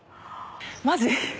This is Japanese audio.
マジ？